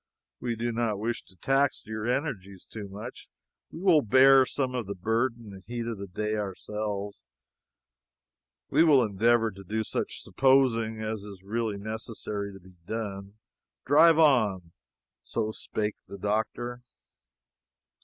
We do not wish to tax your energies too much. We will bear some of the burden and heat of the day ourselves. We will endeavor to do such 'supposing' as is really necessary to be done. Drive on." So spake the doctor.